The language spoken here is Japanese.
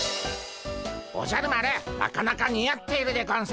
おじゃる丸なかなか似合っているでゴンス。